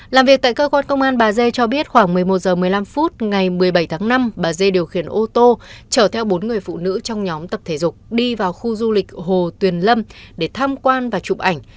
làm việc tại cơ quan công an bà dê cho biết khoảng một mươi một h một mươi năm phút ngày một mươi bảy tháng năm bà dê điều khiển ô tô chở theo bốn người phụ nữ trong nhóm tập thể dục đi vào khu du lịch hồ tuyền lâm để tham quan và chụp ảnh